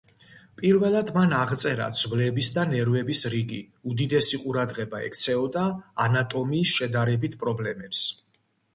პირველად მან აღწერა ძვლების და ნერვების რიგი, უდიდესი ყურადღება ექცეოდა ანატომიის შედარებით პრობლემებს.